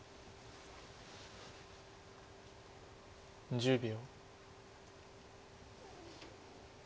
１０秒。